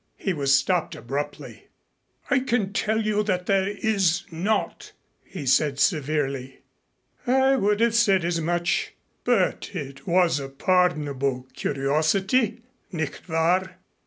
He was stopped abruptly. "I can tell you that there is not," he said severely. "I would have said as much. But it was a pardonable curiosity, nicht wahr?"